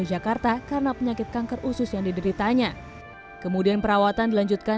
jakarta karena penyakit kanker usus yang dideritanya kemudian perawatan dilanjutkan